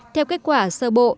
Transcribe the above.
theo kết quả sơ bộ